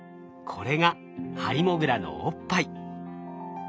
これがハリモグラのおっぱい。